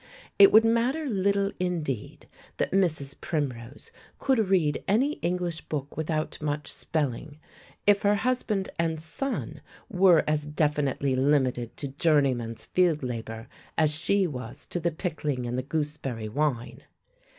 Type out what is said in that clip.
It would matter little indeed that Mrs. Primrose "could read any English book without much spelling" if her husband and son were as definitely limited to journeyman's field labour as she was to the pickling and the gooseberry wine.